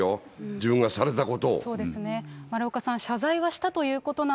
自分がされたことを。